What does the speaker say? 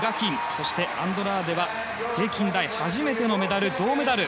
そしてアンドラーデは平均台で初めてのメダル、銅メダル。